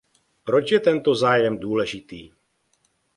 Proč je tento zájem důležitý?